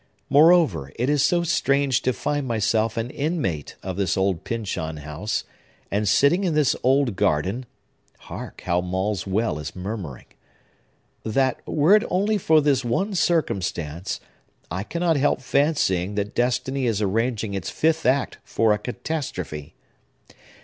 Moreover, it is so strange to find myself an inmate of this old Pyncheon House, and sitting in this old garden—(hark, how Maule's well is murmuring!)—that, were it only for this one circumstance, I cannot help fancying that Destiny is arranging its fifth act for a catastrophe."